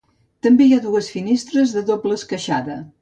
També hi ha dues finestres de doble esqueixada.